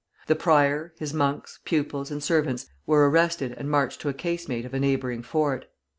The prior, his monks, pupils, and servants, were arrested and marched to a casemate of a neighboring fort.